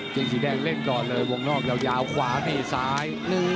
งสีแดงเล่นก่อนเลยวงนอกยาวขวานี่ซ้าย